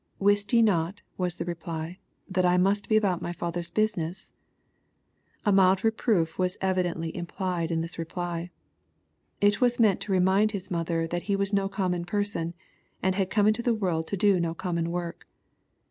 '*—" Wist ye not," was the reply, " that I must be about my father's business ?" A mild reproof was evidently implied in that reply. It was meant to remind His mother that He was no common person, and had come into the world to do no common work.